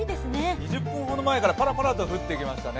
２０分ほど前からぱらぱらと降ってきましたね。